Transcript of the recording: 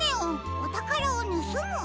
おたからをぬすむ」？